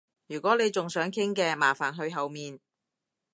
如果你仲想傾嘅，麻煩去後面